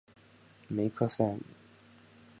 梅克赛姆。